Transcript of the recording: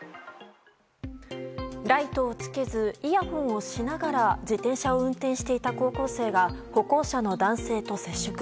ライトをつけずイヤホンをしながら自転車を運転していた高校生が歩行者の男性と接触。